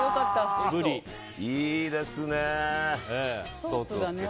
いいですね。